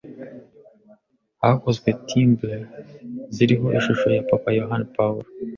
Hakozwe timbres ziriho ishusho ya Papa Yohani Pawulo